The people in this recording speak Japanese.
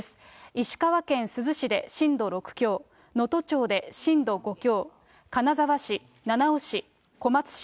石川県珠洲市で震度６強、能登町で震度５強、金沢市、七尾市、小松市、